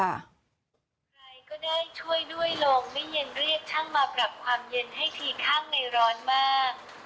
ใครก็ได้ช่วยด้วยลมไม่เย็นเรียกช่างมาปรับความเย็นให้ทีข้างในร้อนมาก